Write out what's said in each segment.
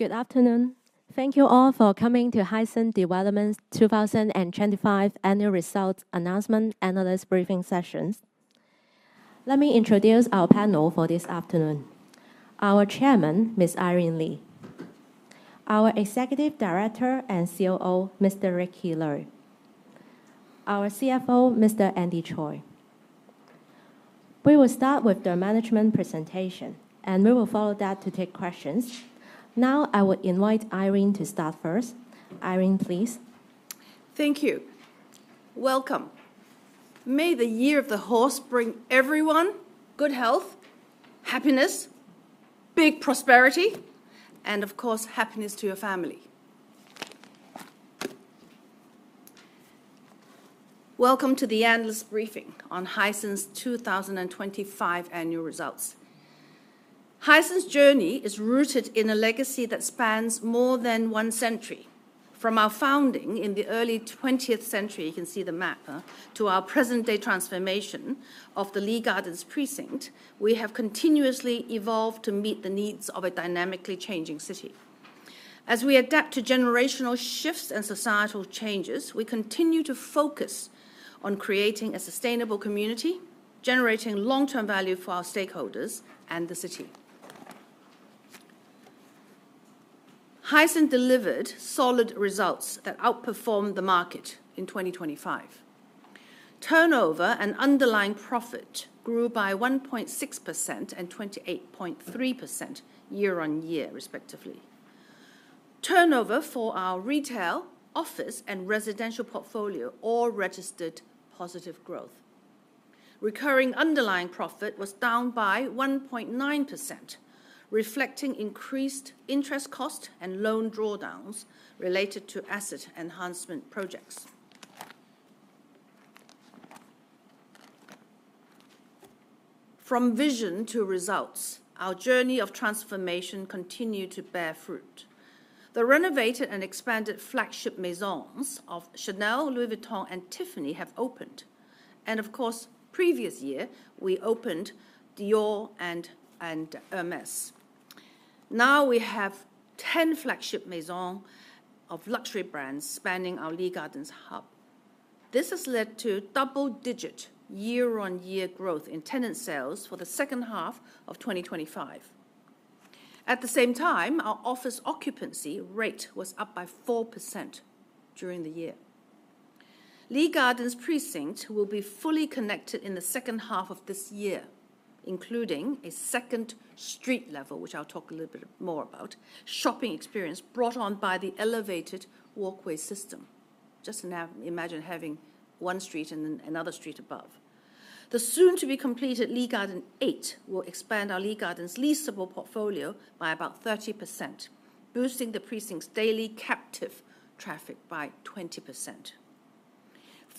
Good afternoon. Thank you all for coming to Hysan Development's 2025 annual results announcement analyst briefing sessions. Let me introduce our panel for this afternoon. Our Chairman, Ms. Irene Lee. Our Executive Director and COO, Mr. Ricky Lui. Our CFO, Mr. Andy Choi. We will start with the management presentation, and we will follow that to take questions. Now, I will invite Irene to start first. Irene, please. Thank you. Welcome. May the Year of the Horse bring everyone good health, happiness, big prosperity, and of course, happiness to your family. Welcome to the analyst briefing on Hysan's 2025 annual results. Hysan's journey is rooted in a legacy that spans more than one century. From our founding in the early twentieth century, you can see the map, to our present-day transformation of the Lee Gardens precinct, we have continuously evolved to meet the needs of a dynamically changing city. As we adapt to generational shifts and societal changes, we continue to focus on creating a sustainable community, generating long-term value for our stakeholders and the city. Hysan delivered solid results that outperformed the market in 2025. Turnover and underlying profit grew by 1.6% and 28.3% year-on-year, respectively. Turnover for our retail, office, and residential portfolio all registered positive growth. Recurring underlying profit was down by 1.9%, reflecting increased interest cost and loan drawdowns related to asset enhancement projects. From vision to results, our journey of transformation continued to bear fruit. The renovated and expanded flagship maisons of Chanel, Louis Vuitton, and Tiffany have opened. Of course, previous year, we opened Dior and Hermès. Now we have 10 flagship maison of luxury brands spanning our Lee Gardens hub. This has led to double-digit year-on-year growth in tenant sales for the second half of 2025. At the same time, our office occupancy rate was up by 4% during the year. Lee Gardens precinct will be fully connected in the second half of this year, including a second street level, which I'll talk a little bit more about, shopping experience brought on by the elevated walkway system. Just now imagine having one street and then another street above. The soon to be completed Lee Gardens Eight will expand our Lee Gardens leasable portfolio by about 30%, boosting the precinct's daily captive traffic by 20%.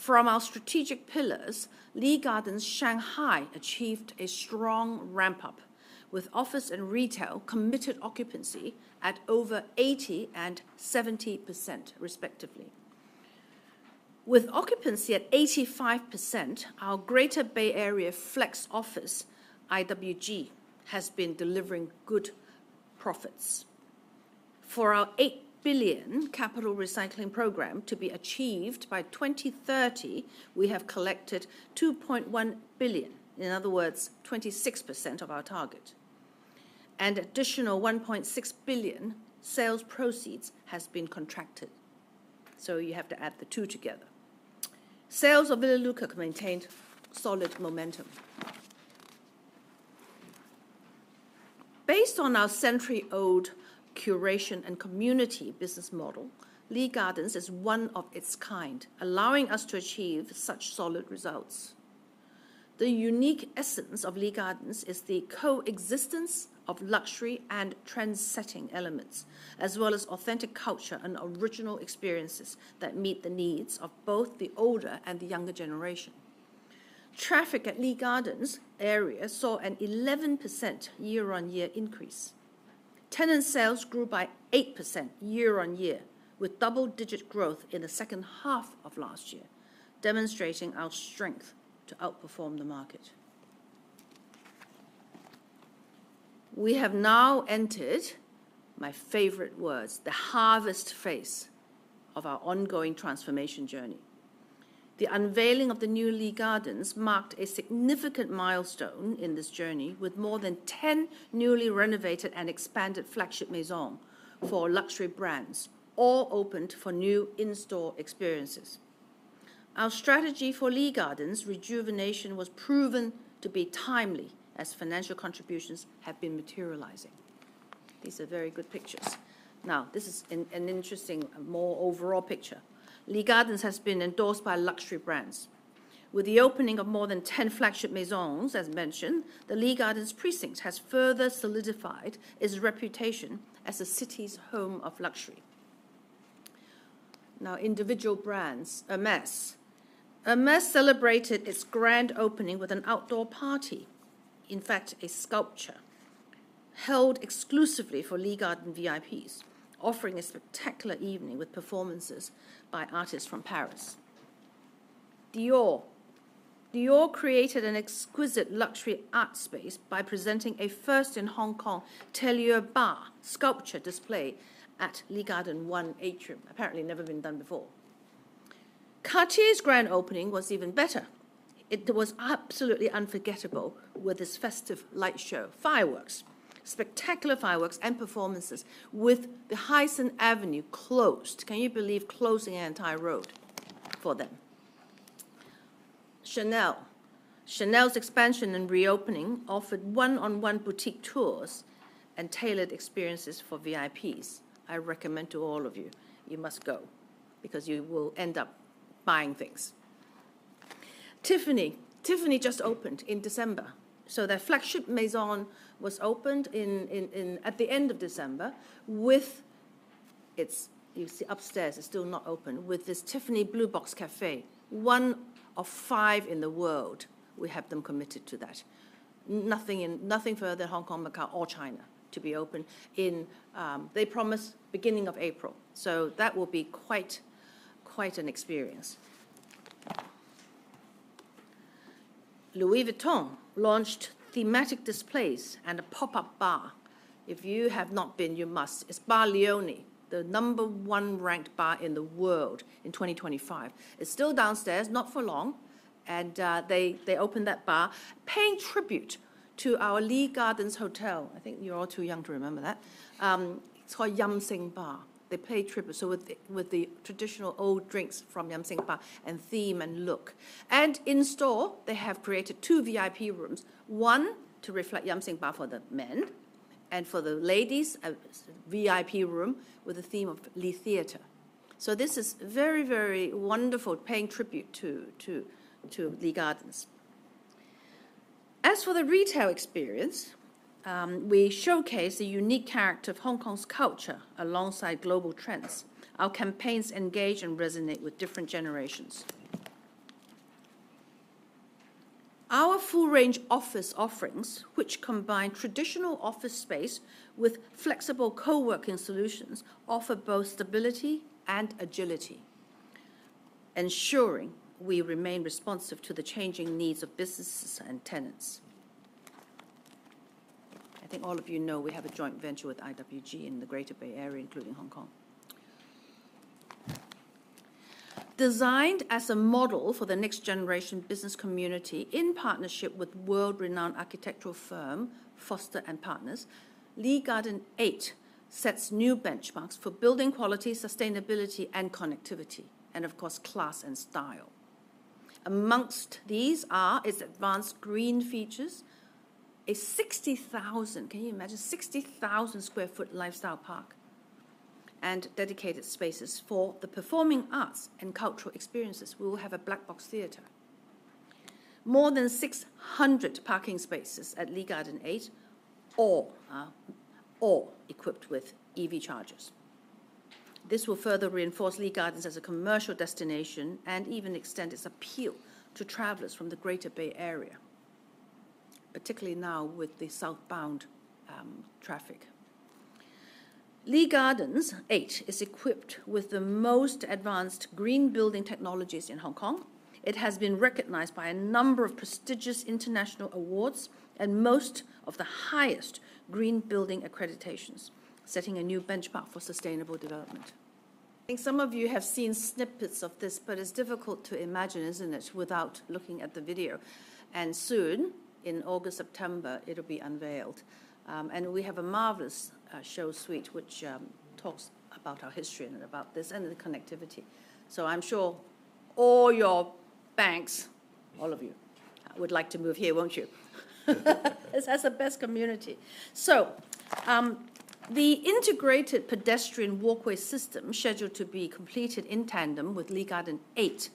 From our strategic pillars, Lee Gardens Shanghai achieved a strong ramp-up with office and retail committed occupancy at over 80% and 70%, respectively. With occupancy at 85%, our Greater Bay Area flex office, IWG, has been delivering good profits. For our 8 billion capital recycling program to be achieved by 2030, we have collected 2.1 billion, in other words, 26% of our target. Additional 1.6 billion sales proceeds has been contracted, so you have to add the two together. Sales of Villa Lucca maintained solid momentum. Based on our century-old curation and community business model, Lee Gardens is one of its kind, allowing us to achieve such solid results. The unique essence of Lee Gardens is the coexistence of luxury and trendsetting elements, as well as authentic culture and original experiences that meet the needs of both the older and the younger generation. Traffic at Lee Gardens area saw an 11% year-on-year increase. Tenant sales grew by 8% year-on-year, with double-digit growth in the second half of last year, demonstrating our strength to outperform the market. We have now entered, my favorite words, the harvest phase of our ongoing transformation journey. The unveiling of the new Lee Gardens marked a significant milestone in this journey with more than 10 newly renovated and expanded flagship maison for luxury brands, all opened for new in-store experiences. Our strategy for Lee Gardens rejuvenation was proven to be timely as financial contributions have been materializing. These are very good pictures. This is an interesting more overall picture. Lee Gardens has been endorsed by luxury brands. With the opening of more than 10 flagship maisons, as mentioned, the Lee Gardens precinct has further solidified its reputation as the city's home of luxury. Individual brands. Hermès. Hermès celebrated its grand opening with an outdoor party. In fact, a sculpture held exclusively for Lee Gardens VIPs, offering a spectacular evening with performances by artists from Paris. Dior. Dior created an exquisite luxury art space by presenting a first in Hong Kong, Tellure Bar sculpture display at Lee Garden One atrium. Apparently, never been done before. Cartier's grand opening was even better. It was absolutely unforgettable with its festive light show, spectacular fireworks and performances with the Hysan Avenue closed. Can you believe closing an entire road for them? Chanel. Chanel's expansion and reopening offered one-on-one boutique tours and tailored experiences for VIPs. I recommend to all of you must go because you will end up buying things. Tiffany. Tiffany just opened in December, their flagship maison was opened at the end of December with its. You see upstairs, it's still not open, with this Tiffany Blue Box Cafe, one of five in the world. We have them committed to that. Nothing further Hong Kong, Macau or China to be opened in, they promise beginning of April. That will be quite an experience. Louis Vuitton launched thematic displays and a pop-up bar. If you have not been, you must. It's Bar Leone, the number one ranked bar in the world in 2025. It's still downstairs, not for long, and they opened that bar paying tribute to our Lee Gardens Hotel. I think you're all too young to remember that. It's called Yum Sing Bar. They pay tribute, so with the traditional old drinks from Yum Sing Bar and theme and look. In-store, they have created two VIP rooms. One to reflect Yum Sing Bar for the men and for the ladies, a VIP room with the theme of Lee Theatre. This is very wonderful paying tribute to Lee Gardens. As for the retail experience, we showcase the unique character of Hong Kong's culture alongside global trends. Our campaigns engage and resonate with different generations. Our full range office offerings, which combine traditional office space with flexible co-working solutions, offer both stability and agility, ensuring we remain responsive to the changing needs of businesses and tenants. I think all of you know we have a joint venture with IWG in the Greater Bay Area, including Hong Kong. Designed as a model for the next generation business community in partnership with world-renowned architectural firm Foster + Partners, Lee Gardens Eight sets new benchmarks for building quality, sustainability and connectivity, and of course, class and style. Amongst these are its advanced green features, a 60,000, can you imagine, 60,000 sq ft lifestyle park, and dedicated spaces for the performing arts and cultural experiences. We will have a black box theater. More than 600 parking spaces at Lee Gardens Eight, all equipped with EV chargers. This will further reinforce Lee Gardens as a commercial destination and even extend its appeal to travelers from the Greater Bay Area, particularly now with the southbound traffic. Lee Gardens Eight is equipped with the most advanced green building technologies in Hong Kong. It has been recognized by a number of prestigious international awards and most of the highest green building accreditations, setting a new benchmark for sustainable development. I think some of you have seen snippets of this, it's difficult to imagine, isn't it, without looking at the video. Soon, in August, September, it'll be unveiled. We have a marvelous show suite which talks about our history and about this and the connectivity. I'm sure all your banks, all of you, would like to move here, won't you? As the best community. The integrated pedestrian walkway system scheduled to be completed in tandem with Lee Gardens Eight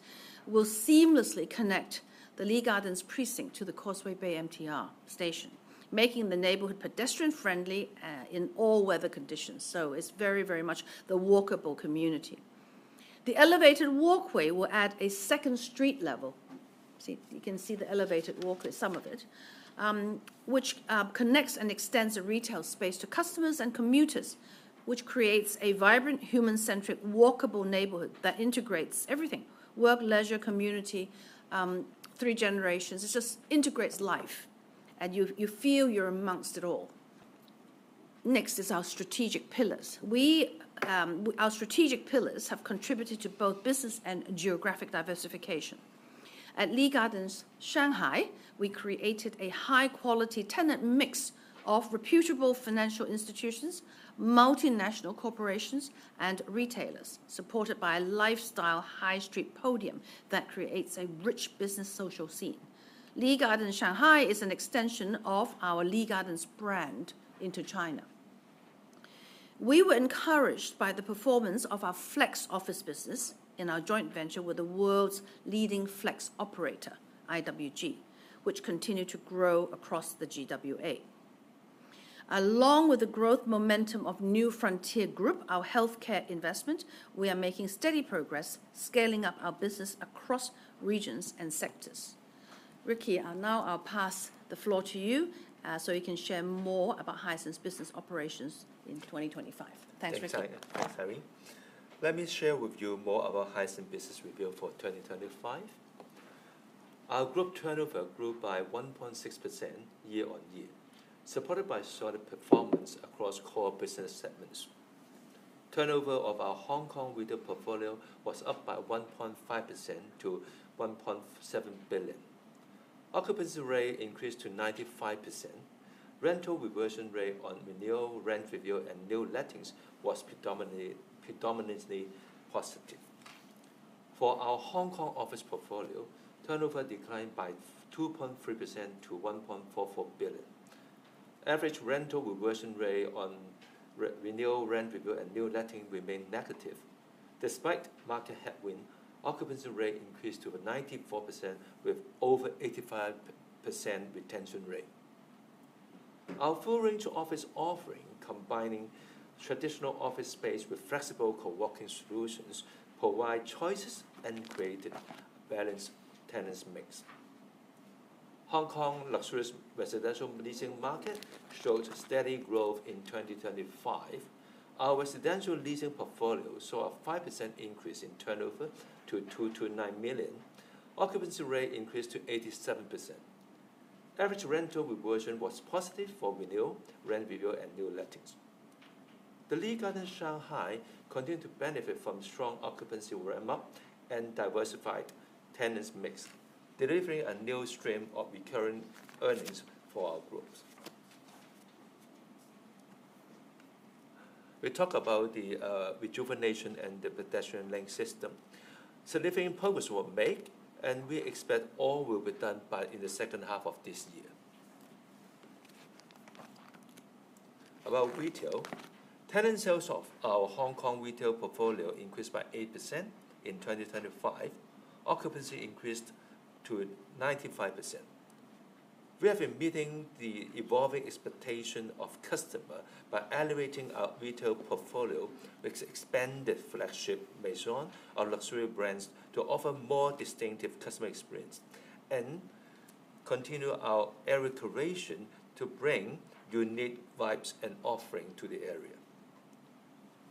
will seamlessly connect the Lee Gardens precinct to the Causeway Bay MTR station, making the neighborhood pedestrian friendly in all weather conditions. It's very much the walkable community. The elevated walkway will add a second street level. See, you can see the elevated walkway, some of it, which connects and extends the retail space to customers and commuters, which creates a vibrant, human-centric, walkable neighborhood that integrates everything. Work, leisure, community, three generations. It just integrates life, you feel you're amongst it all. Next is our strategic pillars. We our strategic pillars have contributed to both business and geographic diversification. At Lee Gardens Shanghai, we created a high quality tenant mix of reputable financial institutions, multinational corporations, and retailers, supported by a lifestyle high street podium that creates a rich business social scene. Lee Gardens Shanghai is an extension of our Lee Gardens brand into China. We were encouraged by the performance of our flex office business in our joint venture with the world's leading flex operator, IWG, which continue to grow across the GBA. Along with the growth momentum of New Frontier Group, our healthcare investment, we are making steady progress scaling up our business across regions and sectors. Ricky, I'll now pass the floor to you, so you can share more about Hysan business operations in 2025. Thanks, Ricky. Thanks, Carrie. Let me share with you more about Hysan business review for 2025. Our group turnover grew by 1.6% year-on-year, supported by solid performance across core business segments. Turnover of our Hong Kong retail portfolio was up by 1.5% to 1.7 billion. Occupancy rate increased to 95%. Rental reversion rate on renewal rent review and new lettings was predominantly positive. For our Hong Kong office portfolio, turnover declined by 2.3% to 1.44 billion. Average rental reversion rate on renewal rent review and new letting remained negative. Despite market headwind, occupancy rate increased to 94% with over 85% retention rate. Our full range office offering, combining traditional office space with flexible co-working solutions, provide choices and created balanced tenants mix. Hong Kong luxurious residential leasing market showed steady growth in 2025. Our residential leasing portfolio saw a 5% increase in turnover to 209 million. Occupancy rate increased to 87%. Average rental reversion was positive for renewal, rent review, and new lettings. The Lee Garden Shanghai continued to benefit from strong occupancy ramp up and diversified tenants mix, delivering a new stream of recurring earnings for our groups. We talk about the rejuvenation and the pedestrian link system. Significant progress were made, and we expect all will be done in the second half of this year. About retail, tenant sales of our Hong Kong retail portfolio increased by 8% in 2025. Occupancy increased to 95%. We have been meeting the evolving expectation of customer by elevating our retail portfolio with expanded flagship maison or luxury brands to offer more distinctive customer experience and continue our iteration to bring unique vibes and offering to the area.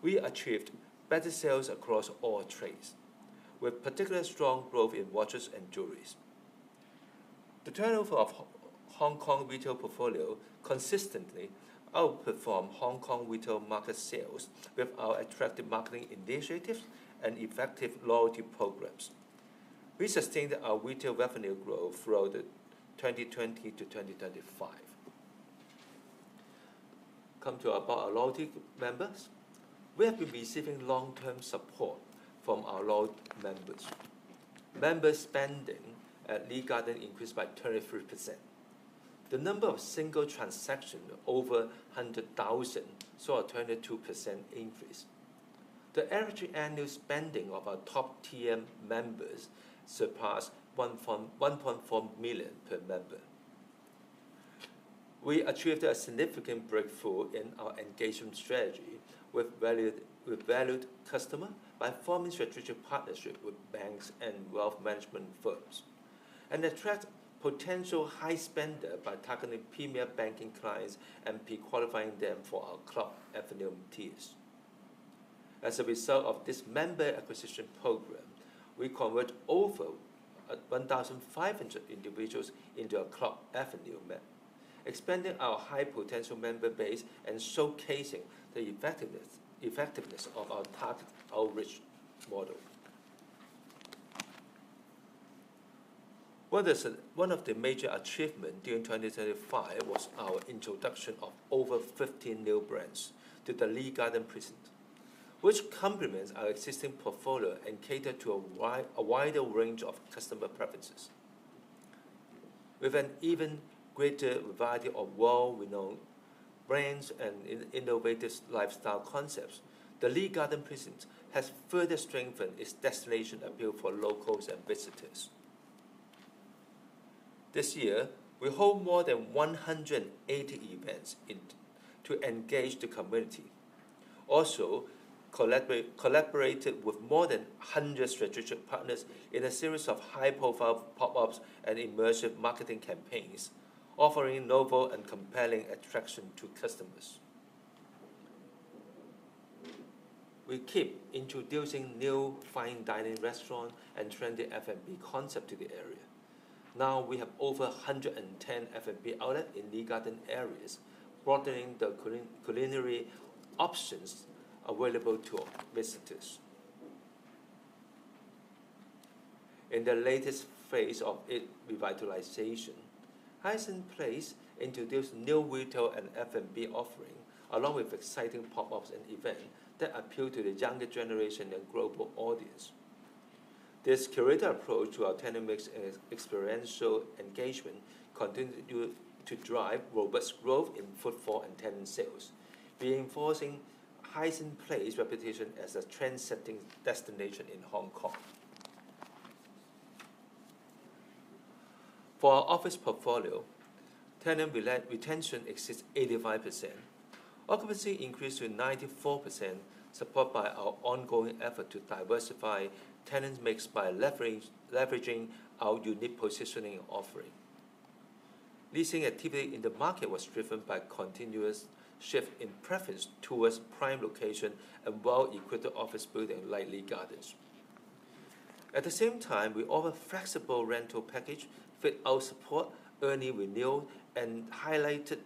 We achieved better sales across all trades, with particular strong growth in watches and jewelries. The turnover of Hong Kong retail portfolio consistently outperformed Hong Kong retail market sales with our attractive marketing initiatives and effective loyalty programs. We sustained our retail revenue growth throughout 2020-2025. Our loyalty members. We have been receiving long-term support from our loyal members. Member spending at Lee Gardens increased by 23%. The number of single transaction over 100,000 saw a 22% increase. The average annual spending of our top TM members surpassed 1.4 million per member. We achieved a significant breakthrough in our engagement strategy with valued customer by forming strategic partnership with banks and wealth management firms, and attract potential high spender by targeting premium banking clients and pre-qualifying them for our Club Avenue tiers. As a result of this member acquisition program, we convert over 1,500 individuals into our Club Avenue, expanding our high potential member base and showcasing the effectiveness of our target outreach model. One of the major achievement during 2025 was our introduction of over 15 new brands to the Lee Gardens precinct, which complements our existing portfolio and cater to a wider range of customer preferences. With an even greater variety of well-renowned brands and innovative lifestyle concepts, the Lee Gardens precinct has further strengthened its destination appeal for locals and visitors. This year, we hold more than 180 events to engage the community. Collaborated with more than 100 strategic partners in a series of high-profile pop-ups and immersive marketing campaigns, offering novel and compelling attraction to customers. We keep introducing new fine dining restaurant and trendy F&B concept to the area. Now we have over 110 F&B outlet in Lee Garden areas, broadening the culinary options available to our visitors. In the latest phase of its revitalization, Hysan Place introduced new retail and F&B offering, along with exciting pop-ups and event that appeal to the younger generation and global audience. This curated approach to our tenant mix and experiential engagement continued to drive robust growth in footfall and tenant sales, reinforcing Hysan Place reputation as a trend-setting destination in Hong Kong. For our office portfolio, tenant relet retention exceeds 85%. Occupancy increased to 94%, supported by our ongoing effort to diversify tenants mix by leveraging our unique positioning and offering. Leasing activity in the market was driven by continuous shift in preference towards prime location and well-equipped office building in Lee Gardens. At the same time, we offer flexible rental package fit our support, early renewal, and highlighted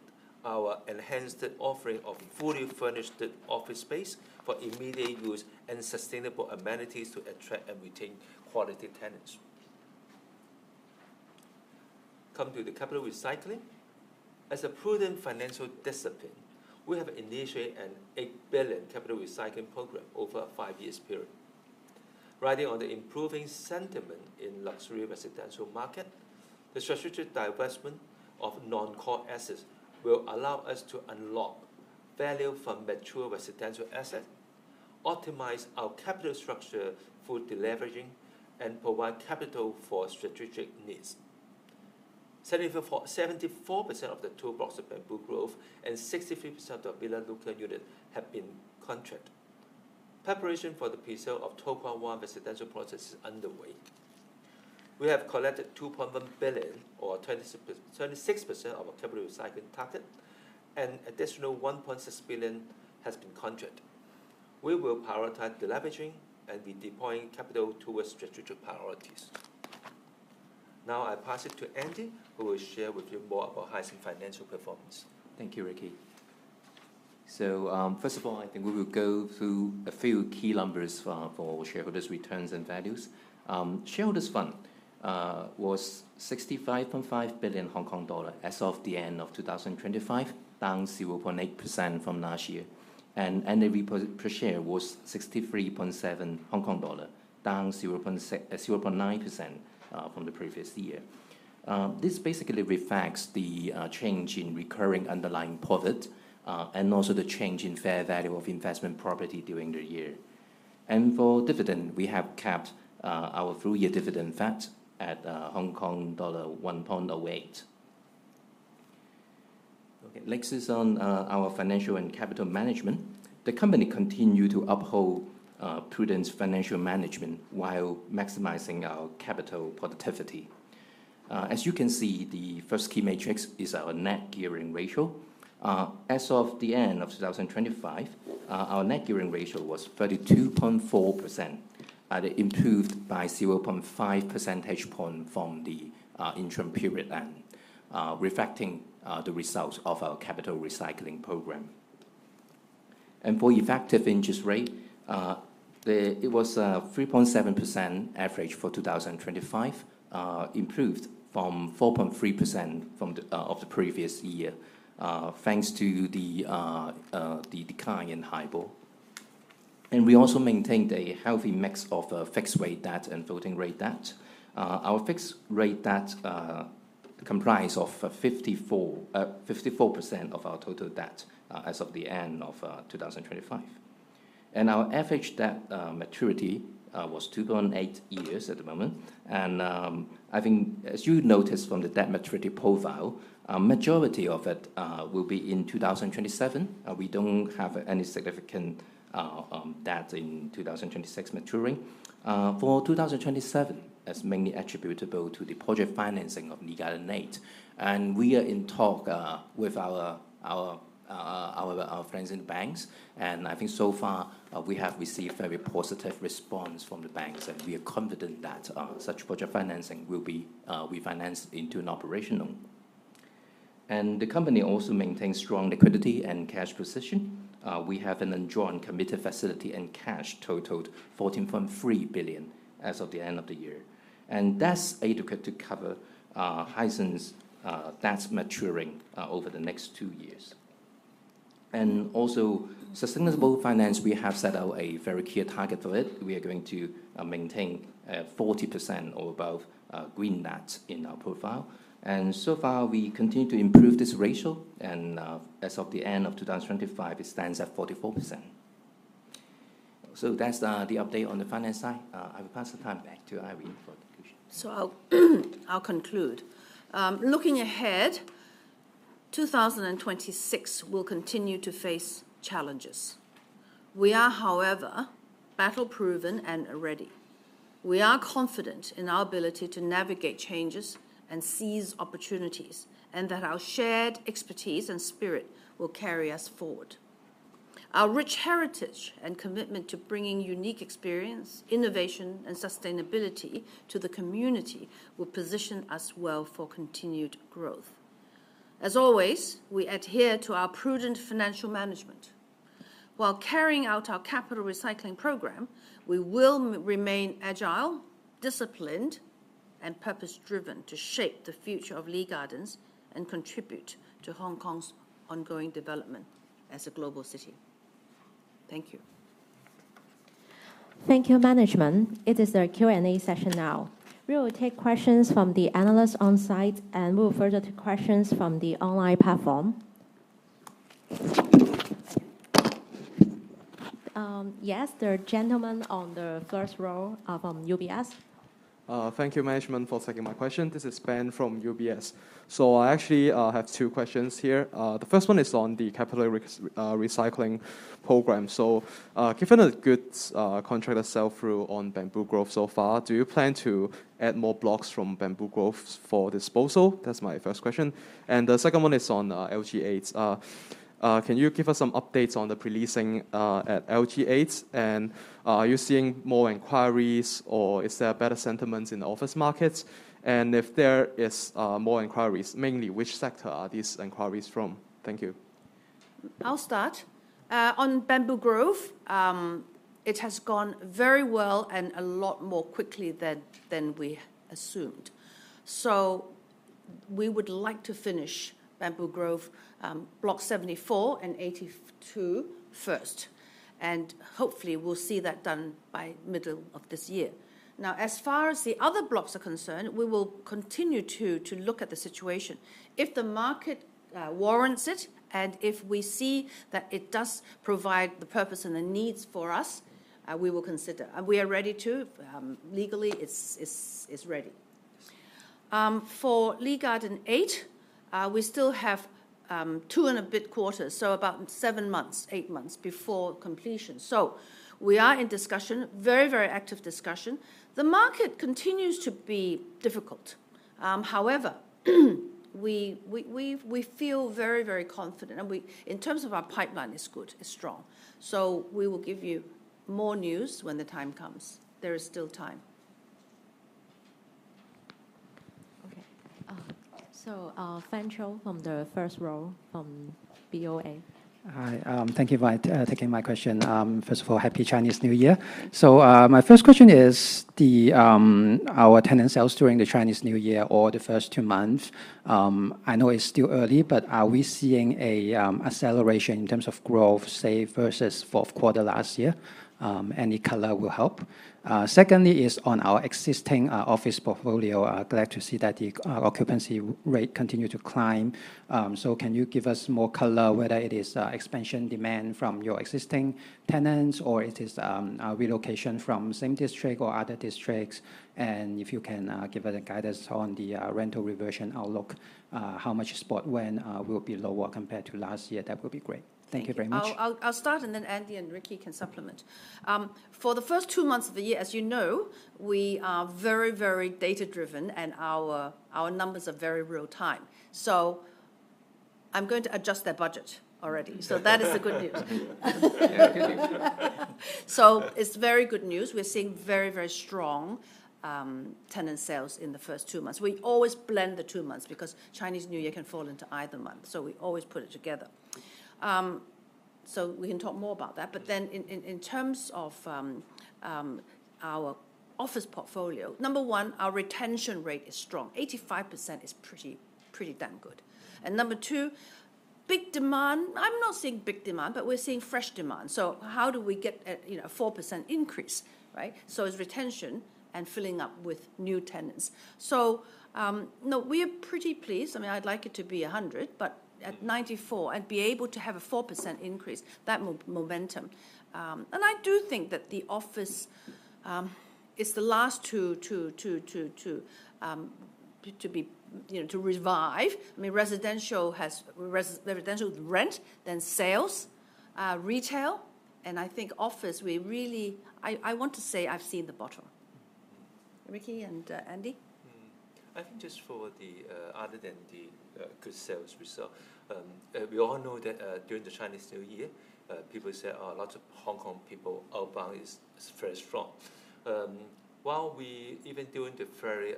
our enhanced offering of fully furnished office space for immediate use and sustainable amenities to attract and retain quality tenants. Come to the capital recycling. As a prudent financial discipline, we have initiated an 8 billion capital recycling program over a 5-year period. Riding on the improving sentiment in luxury residential market, the strategic divestment of non-core assets will allow us to unlock value from mature residential asset, optimize our capital structure for deleveraging, and provide capital for strategic needs. 74% of the tour blocks of Bamboo Grove and 63% of Villa Lucca unit have been contracted. Preparation for the pre-sale of 12.1 residential projects is underway. We have collected 2.1 billion or 36% of our capital recycling target, and additional 1.6 billion has been contracted. We will prioritize deleveraging and redeploying capital towards strategic priorities. I pass it to Andy, who will share with you more about Hysan financial performance. Thank you, Ricky. First of all, I think we will go through a few key numbers for shareholders returns and values. Shareholders fund was 65.5 billion Hong Kong dollar as of the end of 2025, down 0.8% from last year. NAV per share was 63.7 Hong Kong dollar, down 0.9% from the previous year. This basically reflects the change in recurring underlying profit and also the change in fair value of investment property during the year. For dividend, we have kept our full year dividend fact at Hong Kong dollar 1.08. Next is on our financial and capital management. The company continue to uphold prudent financial management while maximizing our capital productivity. As you can see, the first key matrix is our net gearing ratio. As of the end of 2025, our net gearing ratio was 32.4%, improved by 0.5 percentage point from the interim period and reflecting the results of our capital recycling program. For effective interest rate, it was 3.7% average for 2025, improved from 4.3% from the of the previous year, thanks to the decline in HIBOR. We also maintained a healthy mix of fixed rate debt and floating rate debt. Our fixed rate debt comprise of 54% of our total debt, as of the end of 2025. Our average debt maturity was 2.8 years at the moment. I think as you notice from the debt maturity profile, majority of it will be in 2027. We don't have any significant debt in 2026 maturing. For 2027, that's mainly attributable to the project financing of Lee Gardens Eight. We are in talk with our friends in banks. I think so far, we have received very positive response from the banks, and we are confident that such project financing will be refinanced into an operational. The company also maintains strong liquidity and cash position. We have an undrawn committed facility and cash totaled 14.3 billion as of the end of the year. That's adequate to cover, Hysan's debts maturing over the next 2 years. Also, sustainable finance, we have set out a very clear target for it. We are going to maintain 40% or above green debt in our profile. So far, we continue to improve this ratio and as of the end of 2025, it stands at 44%. That's the update on the finance side. I will pass the time back to Irene for conclusion. I'll conclude. Looking ahead, 2026 will continue to face challenges. We are, however, battle-proven and are ready. We are confident in our ability to navigate changes and seize opportunities, and that our shared expertise and spirit will carry us forward. Our rich heritage and commitment to bringing unique experience, innovation, and sustainability to the community will position us well for continued growth. As always, we adhere to our prudent financial management. While carrying out our capital recycling program, we will remain agile, disciplined, and purpose-driven to shape the future of Lee Gardens and contribute to Hong Kong's ongoing development as a global city. Thank you. Thank you management. It is the Q&A session now. We will take questions from the analysts on site and move further to questions from the online platform. Yes, the gentleman on the first row, from UBS. Thank you management for taking my question. This is Ben from UBS. I actually have two questions here. The first one is on the capital recycling program. Given the good contract that sell through on Bamboo Grove so far, do you plan to add more blocks from Bamboo Grove for disposal? That's my first question. The second one is on LG8. Can you give us some updates on the pre-leasing at LG8 and are you seeing more inquiries or is there better sentiments in the office markets? If there is more inquiries, mainly which sector are these inquiries from? Thank you. I'll start. On Bamboo Grove, it has gone very well and a lot more quickly than we assumed. We would like to finish Bamboo Grove, Block 74 and 82 first, and hopefully we'll see that done by middle of this year. As far as the other blocks are concerned, we will continue to look at the situation. If the market warrants it and if we see that it does provide the purpose and the needs for us, we will consider. We are ready to, if legally it's ready. For Lee Garden 8, we still have two and a bit quarters, so about 7 months, 8 months before completion. We are in discussion, very active discussion. The market continues to be difficult. We feel very confident in terms of our pipeline is good, is strong. We will give you more news when the time comes. There is still time. Okay. So Fan Chou from the first row from BofA. Hi. Thank you for taking my question. First of all, Happy Chinese New Year. My first question is the, our tenant sales during the Chinese New Year or the first two months. I know it's still early, but are we seeing a acceleration in terms of growth, say, versus Q4 last year? Any color will help. Secondly is on our existing office portfolio. Glad to see that the occupancy rate continue to climb. Can you give us more color whether it is expansion demand from your existing tenants or it is a relocation from same district or other districts? If you can give us a guidance on the rental reversion outlook, how much spot when will be lower compared to last year, that would be great. Thank you very much. I'll start. Andy and Ricky can supplement. For the first 2 months of the year, as you know, we are very, very data-driven and our numbers are very real time. I'm going to adjust their budget already. That is the good news. It's very good news. We're seeing very, very strong tenant sales in the first 2 months. We always blend the 2 months because Chinese New Year can fall into either month, we always put it together. We can talk more about that. In terms of our office portfolio, number 1, our retention rate is strong. 85% is pretty damn good. Number 2, I'm not seeing big demand, we're seeing fresh demand. How do we get a, you know, a 4% increase, right? It's retention and filling up with new tenants. No, we are pretty pleased. I mean, I'd like it to be 100, but at 94 and be able to have a 4% increase, that momentum. I do think that the office is the last to be, you know, to revive. I mean, residential has residential rent, then sales, retail, and I think office, we really. I want to say I've seen the bottom. Ricky and Andy? I think just for the other than the good sales result, we all know that during the Chinese New Year, people say lots of Hong Kong people outbound is very strong. We even during the very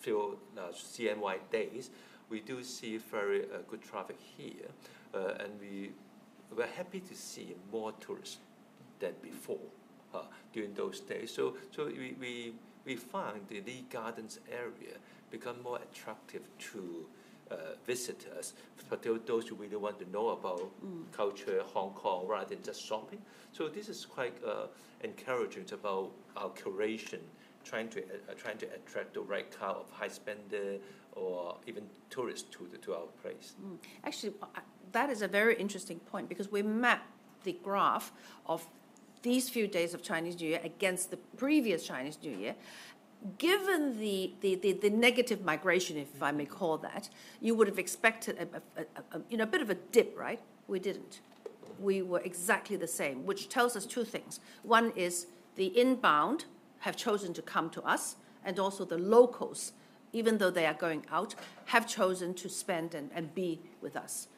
few CNY days, we do see very good traffic here. We're happy to see more tourists than before during those days. We find the Lee Gardens area become more attractive to visitors, those who really want to know about. Mm Culture Hong Kong rather than just shopping. This is quite encouraging about our curation, trying to attract the right kind of high spender or even tourists to our place. Actually, that is a very interesting point because we mapped the graph of these few days of Chinese New Year against the previous Chinese New Year. Given the negative migration, if I may call that, you would have expected a, you know, a bit of a dip, right? We didn't. We were exactly the same, which tells us two things. One is the inbound have chosen to come to us, and also the locals, even though they are going out, have chosen to spend and be with us.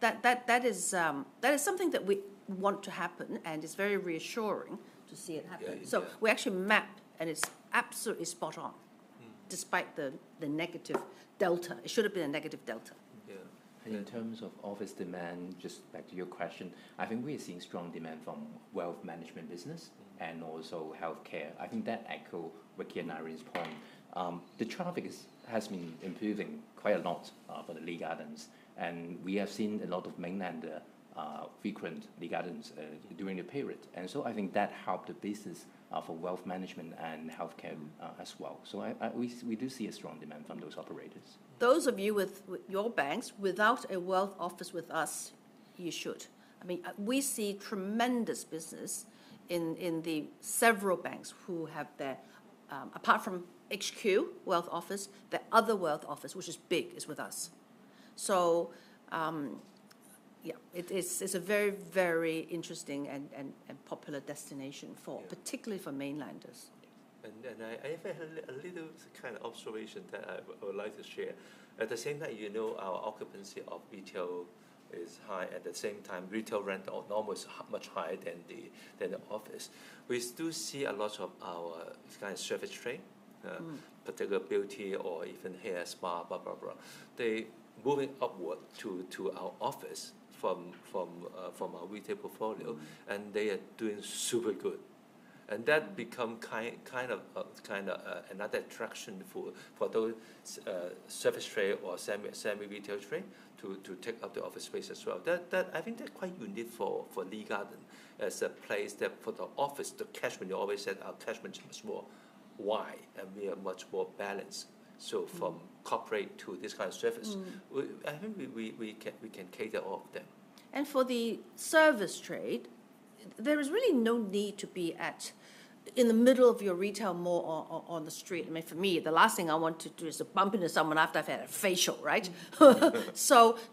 That is something that we want to happen and is very reassuring to see it happen. Yeah. Yeah. We actually mapped and it's absolutely spot on. Mm Despite the negative delta. It should have been a negative delta. Yeah. In terms of office demand, just back to your question, I think we are seeing strong demand from wealth management business and also healthcare. I think that echo Ricky Lui and Irene's point. The traffic has been improving quite a lot for the Lee Gardens, and we have seen a lot of mainland frequent Lee Gardens during the period. I think that helped the business for wealth management and healthcare as well. We do see a strong demand from those operators. Those of you with your banks, without a wealth office with us. You should. I mean, we see tremendous business in the several banks who have their, apart from HQ wealth office, their other wealth office, which is big, is with us. Yeah, it is, it's a very, very interesting and popular destination for. Yeah Particularly for Mainlanders. Yes. I even had a little kind of observation that I would like to share. At the same time, you know, our occupancy of retail is high. At the same time, retail rent or normal is much higher than the office. We still see a lot of our kind of service trade. Mm Particular beauty or even hair, spa, blah, blah. They moving upward to our office from our retail portfolio. Mm They are doing super good. That become kind of a, kind of, another attraction for those service trade or semi retail trade to take up the office space as well. That. I think that's quite unique for Lee Gardens as a place that for the office, the catchment, you always said our catchment is much more wide and we are much more balanced. From Mm Corporate to this kind of service. Mm I think we can cater all of them. For the service trade, there is really no need to be at, in the middle of your retail mall on the street. I mean, for me, the last thing I want to do is to bump into someone after I've had a facial, right? Yeah.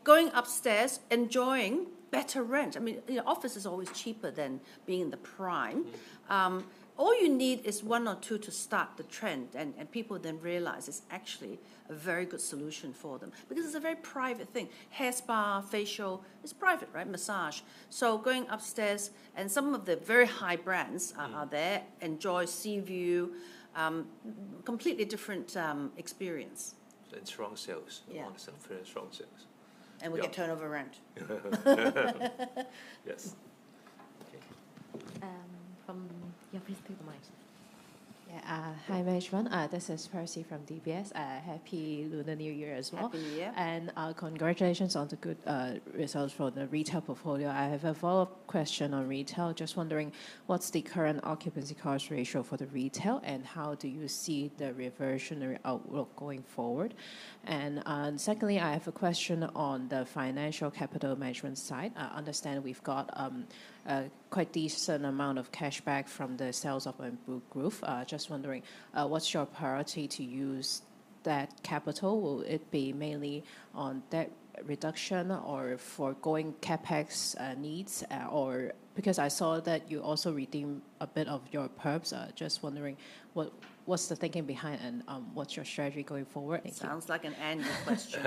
Going upstairs, enjoying better rent. I mean, you know, office is always cheaper than being in the prime. Yeah. All you need is 1 or 2 to start the trend, and people then realize it's actually a very good solution for them. It's a very private thing. Hair spa, facial, it's private, right? Massage. Going upstairs, and some of the very high brands are there. Mm. Enjoy sea view. Completely different experience. Strong sales. Yeah. Strong sales. Very strong sales. And we can. Yeah Turnover rent. Yes. Okay. Yeah, please take the mic. Yeah, hi, everyone. This is Percy from DBS. Happy Lunar New Year as well. Happy New Year. Congratulations on the good results for the retail portfolio. I have a follow-up question on retail. Just wondering, what's the current occupancy cost ratio for the retail, and how do you see the reversionary outlook going forward? Secondly, I have a question on the financial capital management side. I understand we've got a quite decent amount of cash back from the sales of our Bamboo Grove. Just wondering, what's your priority to use that capital? Will it be mainly on debt reduction or for growing CapEx needs, or because I saw that you also redeem a bit of your perps? Just wondering what's the thinking behind and what's your strategy going forward? Thank you. Sounds like an annual question.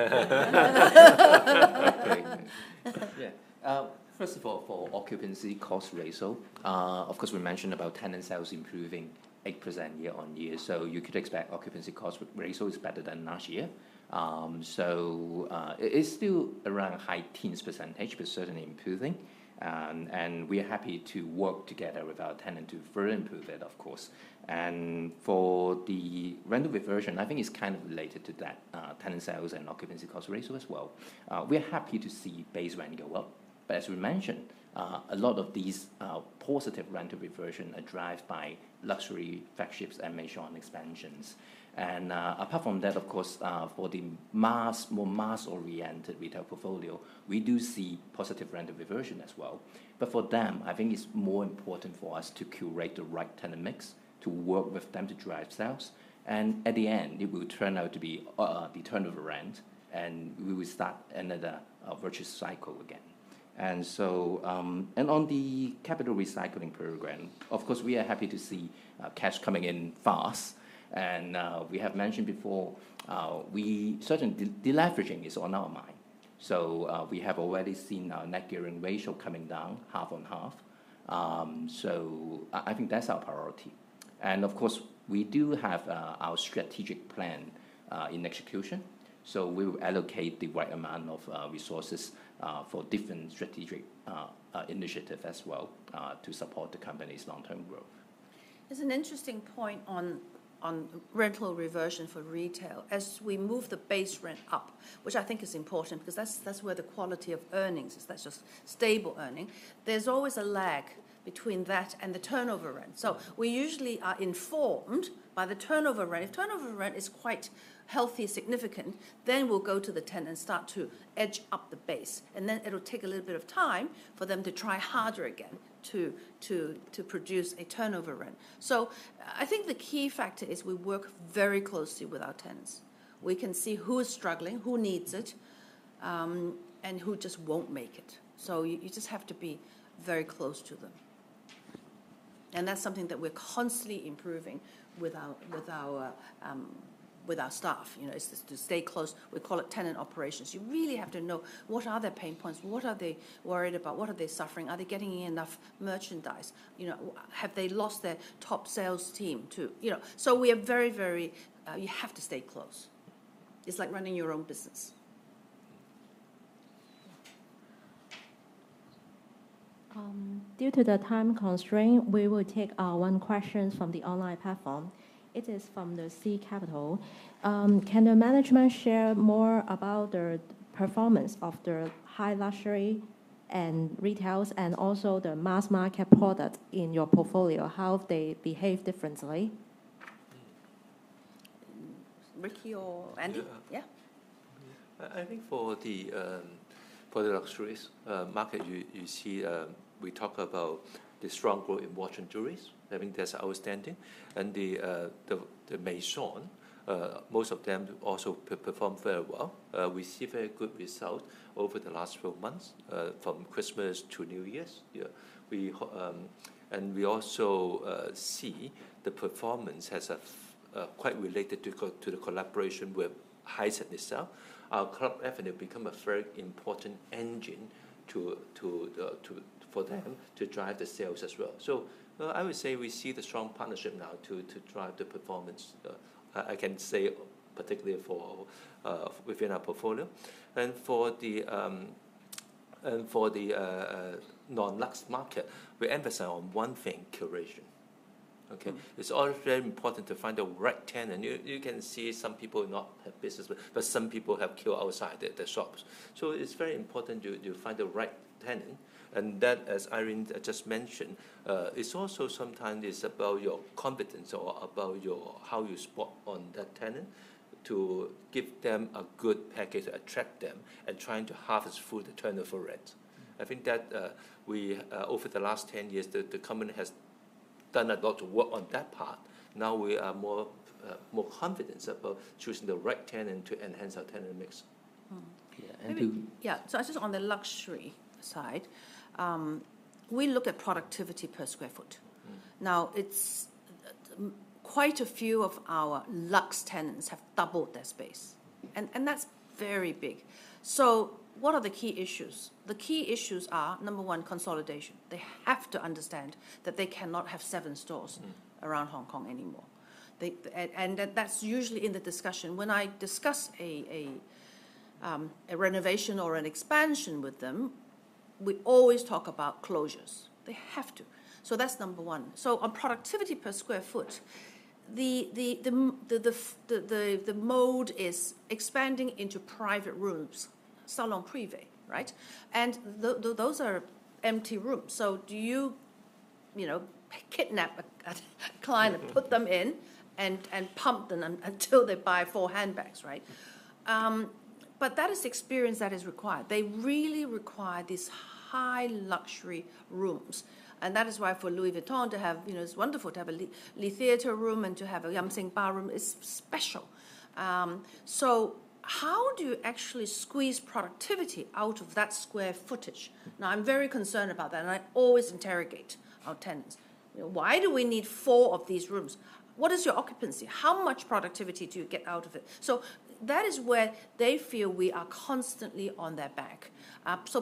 Yeah. First of all, for occupancy cost ratio, of course, we mentioned about tenant sales improving 8% year-on-year. You could expect occupancy cost ratio is better than last year. It is still around high teens percentage, but certainly improving. We are happy to work together with our tenant to further improve it, of course. For the rental reversion, I think it's kind of related to that, tenant sales and occupancy cost ratio as well. We're happy to see base rent go up. As we mentioned, a lot of these positive rental reversion are derived by luxury flagships and Maisons expansions. Apart from that, of course, for the mass, more mass-oriented retail portfolio, we do see positive rental reversion as well. For them, I think it's more important for us to curate the right tenant mix, to work with them to drive sales. At the end, it will turn out to be the turnover rent, and we will start another virtuous cycle again. On the capital recycling program, of course, we are happy to see cash coming in fast. We have mentioned before, certainly deleveraging is on our mind. We have already seen our net gearing ratio coming down half on half. I think that's our priority. Of course, we do have our strategic plan in execution. We will allocate the right amount of resources for different strategic initiative as well to support the company's long-term growth. There's an interesting point on rental reversion for retail. As we move the base rent up, which I think is important because that's where the quality of earnings is. That's just stable earning. There's always a lag between that and the turnover rent. We usually are informed by the turnover rent. If turnover rent is quite healthy, significant, then we'll go to the tenant and start to edge up the base. Then it'll take a little bit of time for them to try harder again to produce a turnover rent. I think the key factor is we work very closely with our tenants. We can see who is struggling, who needs it, and who just won't make it. You just have to be very close to them. That's something that we're constantly improving with our staff, you know, is just to stay close. We call it tenant operations. You really have to know what are their pain points, what are they worried about, what are they suffering, are they getting in enough merchandise, you know, have they lost their top sales team to. You know. We are very, very, you have to stay close. It's like running your own business. Due to the time constraint, we will take one question from the online platform. It is from C Capital. Can the management share more about the performance of the high luxury and retails and also the mass market product in your portfolio, how they behave differently? Ricky or Andy? Yeah. Yeah I think for the for the luxurious market you see we talk about the strong growth in watch and jewelries. I think that's outstanding. The Maison most of them also perform very well. We see very good result over the last few months from Christmas to New Year's. Yeah. We also see the performance has a quite related to the collaboration with Hyatt itself. Our Club Avenue become a very important engine to the to for them. Yeah To drive the sales as well. I would say we see the strong partnership now to drive the performance. I can say particularly for within our portfolio. For the non-lux market, we emphasize on one thing, curation. Okay? Mm. It's always very important to find the right tenant. You can see some people not have business, but some people have queue outside their shops. It's very important you find the right tenant. That, as Irene just mentioned, it's also sometimes it's about your competence or about your how you spot on that tenant to give them a good package, attract them, and trying to harvest full the turnover rates. I think that we over the last 10 years, the company has done a lot of work on that part. Now we are more confidence about choosing the right tenant to enhance our tenant mix. Mm. Yeah. Maybe. Yeah. Just on the luxury side, we look at productivity per sq ft. Mm. It's quite a few of our lux tenants have doubled their space. That's very big. What are the key issues? The key issues are, number one, consolidation. They have to understand that they cannot have 7 stores. Mm Around Hong Kong anymore. That's usually in the discussion. When I discuss a renovation or an expansion with them, we always talk about closures. They have to. That's number one. On productivity per square foot, the mode is expanding into private rooms, salon privé, right? Those are empty rooms. Do you know, kidnap a client and put them in and pump them until they buy four handbags, right? That is experience that is required. They really require these high luxury rooms, and that is why for Louis Vuitton to have, you know, it's wonderful to have a Lee Theatre room and to have a Yum Sing Bar room is special. How do you actually squeeze productivity out of that square footage? I'm very concerned about that, and I always interrogate our tenants. You know, "Why do we need 4 of these rooms? What is your occupancy? How much productivity do you get out of it?" That is where they feel we are constantly on their back.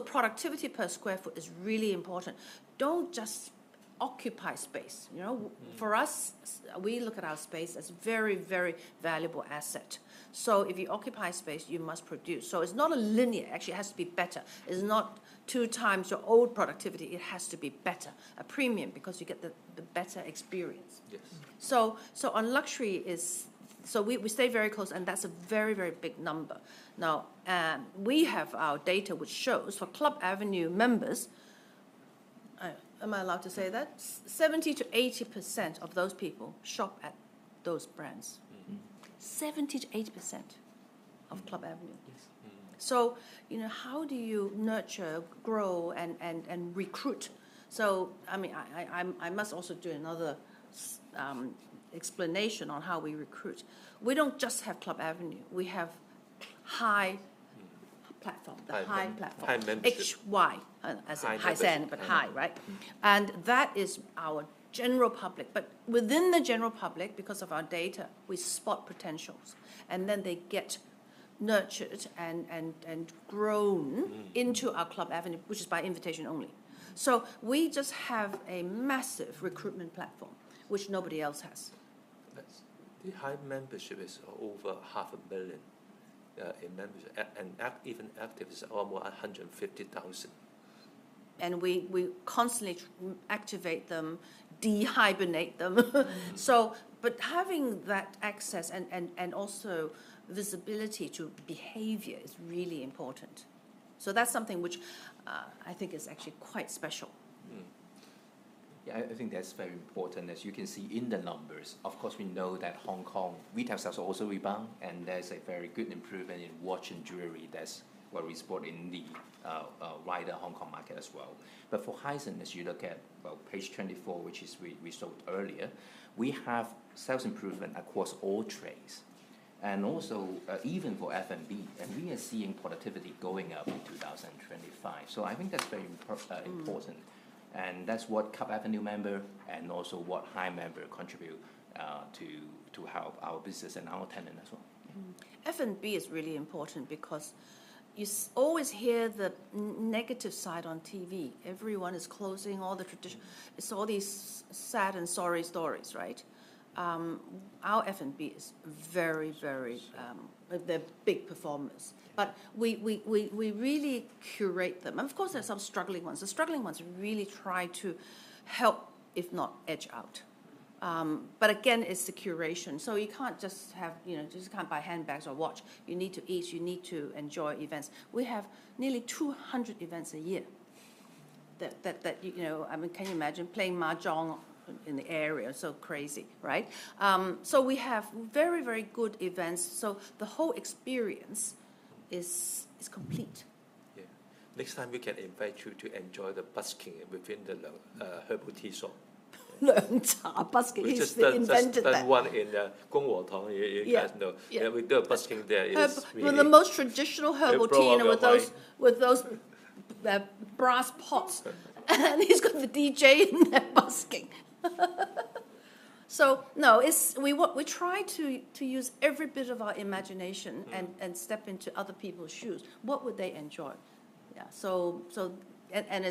Productivity per square foot is really important. Don't just occupy space, you know? Mm. For us, we look at our space as very, very valuable asset. If you occupy space, you must produce. It's not a linear. Actually, it has to be better. It's not two times your old productivity. It has to be better, a premium, because you get the better experience. Yes. On luxury is. We stay very close, and that's a very, very big number. We have our data which shows for Club Avenue members. I, am I allowed to say that? 70%–80% of those people shop at those brands. Mm-hmm. 70%–80% of Club Avenue. Yes. You know, how do you nurture, grow, and recruit? I mean, I must also do another explanation on how we recruit. We don't just have Club Avenue. We have hy! Platform. hy! Membership. The hy! Platform. H-Y. hy! Membership. As in Hyatt, but hy!, right? Mm. That is our general public. Within the general public, because of our data, we spot potentials, and then they get nurtured and, and grown- Mm Into our Club Avenue, which is by invitation only. We just have a massive recruitment platform which nobody else has. Yes. The hy! Membership is over half a million in membership. Even active is almost 150,000. We constantly activate them, de-hibernate them. Mm. Having that access and also visibility to behavior is really important. That's something which I think is actually quite special. Yeah, I think that's very important as you can see in the numbers. Of course, we know that Hong Kong retail sales also rebound, and there's a very good improvement in watch and jewelry. That's where we spot in the wider Hong Kong market as well. For Hysan, as you look at, well, page 24, which is we showed earlier, we have sales improvement across all trades. Even for F&B, we are seeing productivity going up in 2025. I think that's very important. Mm. That's what Club Avenue member and also what Hy member contribute, to help our business and our tenant as well. F&B is really important because you always hear the negative side on TV. Everyone is closing all the tradition. It's all these sad and sorry stories, right? Our F&B is very. Yes They're big performers. Yeah. We really curate them. Of course, there's some struggling ones. The struggling ones really try to help, if not edge out. Again, it's the curation. You can't just have, you know, just can't buy handbags or watch. You need to eat. You need to enjoy events. We have nearly 200 events a year that, you know. I mean, can you imagine playing Mahjong in the area? Crazy, right? We have very, very good events, so the whole experience is complete. Yeah. Next time we can invite you to enjoy the busking within the herbal tea shop. We just done one in the. He invented that. You guys know. Yeah. Yeah. Yeah, we do a busking there. It's really. Well, the most traditional herbal tea. They blow on the white. You know, with those, the brass pots. He's got the DJ and they're busking. No, it's. We try to use every bit of our imagination. Mm And step into other people's shoes. What would they enjoy? Yeah.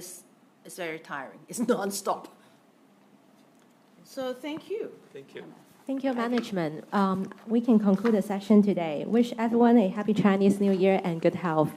It's very tiring. It's nonstop. Thank you. Thank you. Thank you, management. We can conclude the session today. Wish everyone a Happy Chinese New Year and good health.